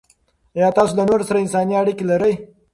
آیا تاسې له نورو سره انساني اړیکې لرئ؟